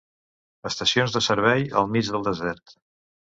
Estacions de servei al mig del desert.